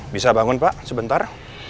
bisa bangun pak sebentar